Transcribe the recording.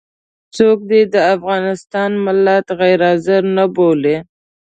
څوک دې د افغانستان ملت غير حاضر نه بولي.